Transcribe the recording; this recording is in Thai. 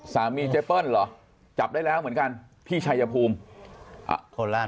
สามีเจ๊เปิ้ลเหรอจับได้แล้วเหมือนกันพี่ชัยภูมิ